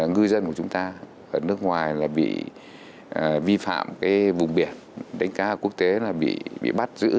ngư dân của chúng ta ở nước ngoài bị vi phạm vùng biển đánh cá ở quốc tế bị bắt giữ